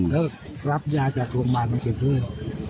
แล้วก็รับยาจากโรงพยาบาลมันจีบพื้น